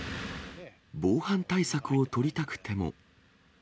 防犯対策を取りたくても。